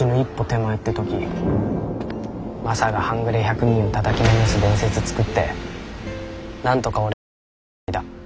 手前って時マサが半グレ１００人をたたきのめす伝説作ってなんとか俺は命をつないだ。